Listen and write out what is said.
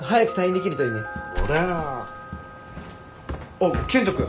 あっ健人君。